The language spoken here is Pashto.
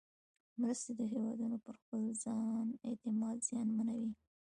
مرستې د هېوادونو پر خپل ځان اعتماد زیانمنوي.